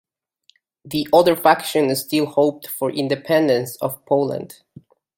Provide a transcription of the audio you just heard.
The other faction still hoped for independence of Poland.